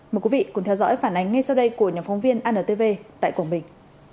mời quý vị cùng theo dõi phản ánh ngay sau đây của nhóm phóng viên antv tại quảng bình